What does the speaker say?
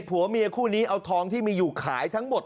ผัวเมียคู่นี้เอาทองที่มีอยู่ขายทั้งหมด